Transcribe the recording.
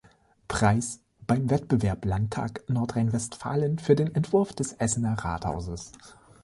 Preis beim Wettbewerb Landtag Nordrhein-Westfalen für den Entwurf des Essener Rathauses.